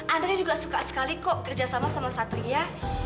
andre juga suka sekali kok kerjasama sama satria